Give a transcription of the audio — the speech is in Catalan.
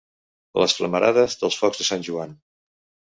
Les flamarades dels focs de Sant Joan.